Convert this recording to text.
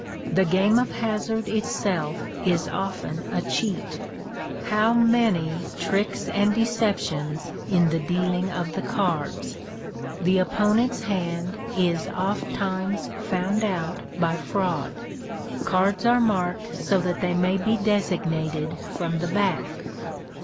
The game of hazard itself is often a cheat. How many tricks and deceptions in the dealing of the cards! The opponent's hand is ofttimes found out by fraud. Cards are marked so that they may be designated from the back.